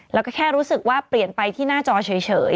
แล้วก็แค่รู้สึกว่าเปลี่ยนไปที่หน้าจอเฉย